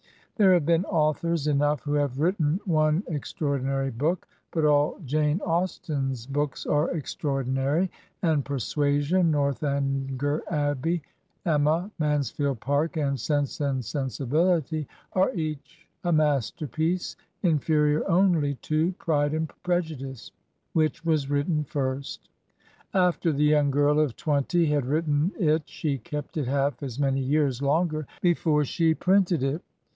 There have been authors enough who have written one extraordinary book ; but all Jane Austen's books are extraordinary, and " Persuasion," l^'Northanger Abbey," ''Emma," "Mansfield Park," land " Sense and Sensibility," are each a masterpiece, (inferior only to "Pride and Prejudice," which was written first. After the young girl of twenty had writ ten it, she kept it half as many years longer before she printed it.